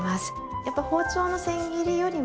やっぱ包丁のせん切りよりも。